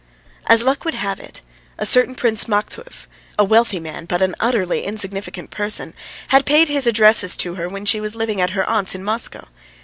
As luck would have it, a certain Prince Maktuev, a wealthy man but an utterly insignificant person, had paid his addresses to her when she was living at her aunt's in Moscow.